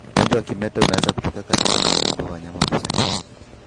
Ugonjwa wa kimeta unaweza kutokea katika maeneo ambayo wanyama hukusanyikia